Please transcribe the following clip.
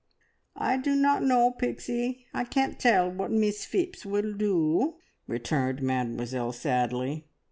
"I do not know, Pixie. I can't tell what Miss Phipps will do," returned Mademoiselle sadly.